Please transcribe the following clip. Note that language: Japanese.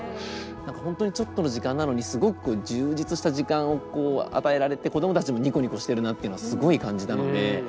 本当にちょっとの時間なのにすごく充実した時間をこう与えられて子どもたちもニコニコしてるなっていうのはすごい感じたので。